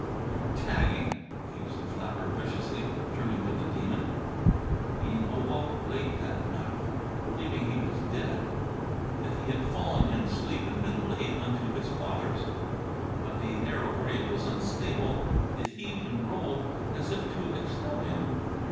"You're tagging," accused the flapper viciously, turning to the Demon. Bean awoke late that night, believing he was dead that he had fallen in sleep and been laid unto his fathers. But the narrow grave was unstable. It heaved and rolled as if to expel him.